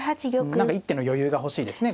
何か一手の余裕が欲しいですね